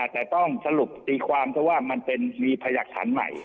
แต่ต้องสรุปตีความว่ามันมีพยักษ์ฐานใหม่